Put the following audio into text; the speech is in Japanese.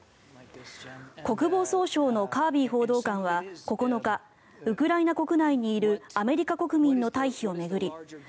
国防総省のカービー報道官は９日ウクライナ国内にいるアメリカ国民の退避を巡り